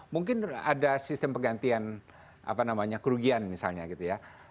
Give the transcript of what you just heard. mungkin ada sistem penggantian apa namanya kerugian misalnya gitu ya